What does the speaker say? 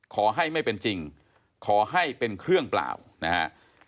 ขอให้ไม่เป็นจริงขอให้เป็นเครื่องเปล่านะฮะ